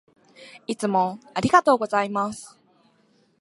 いつもありがとうございます。